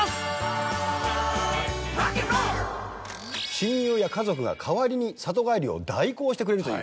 親友や家族が代わりに里帰りを代行してくれるという。